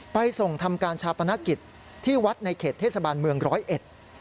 ไปส่งทำการชาปนกิจที่วัดในเขตเทศบาลเมืองร้อยเอ็ด